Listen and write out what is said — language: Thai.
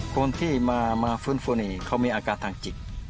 คนที่มาฟื้นฟูนี่เขามีอาการทางจิต